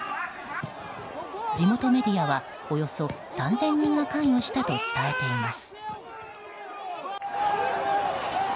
地元メディアはおよそ３０００人が関与したと伝えています。